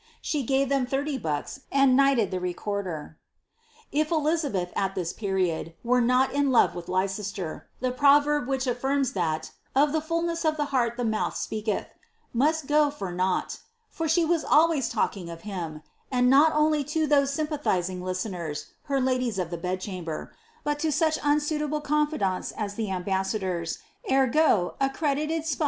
She gave them thirty bucks, and knighted the recorder. If Elizabeth, at this period, were not in love with I^eicester, the pro verb which afHrms that ^^ of the fulness of the heart the mouth speaketh," must go for nought ; for she was always talking of him, and that not only to those sympathizing listeners, her ladies of the bed chamber, but to such unsuitable confidants as the ambassadors — ergo, accredited s^ret.